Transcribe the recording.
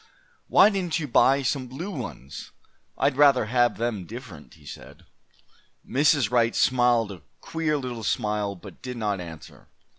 "Why didn't you buy some blue ones? I'd rather have them different," he said. Mrs. Wright smiled a queer little smile, but did not answer.